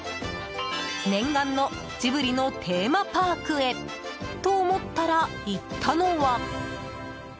念願のジブリのテーマパークへ！と思ったら、行ったのは。